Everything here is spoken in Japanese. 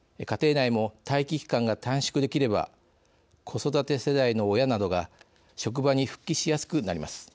家庭内も待機期間が短縮できれば子育て世代の親などが職場に復帰しやすくなります。